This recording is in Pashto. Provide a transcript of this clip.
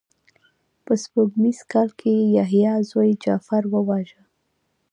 په سپوږمیز کال کې یې یحیی زوی جغفر وواژه.